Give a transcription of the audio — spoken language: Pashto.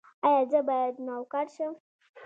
ایا زه باید نوکر شم؟